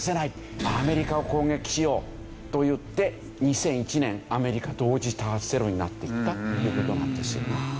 「アメリカを攻撃しよう！」と言って２００１年アメリカ同時多発テロになっていったという事なんですよね。